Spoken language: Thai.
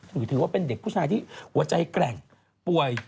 ถือว่าเป็นเด็กผู้ชายที่หัวใจแกร่งป่วย